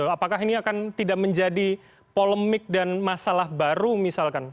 apakah ini akan tidak menjadi polemik dan masalah baru misalkan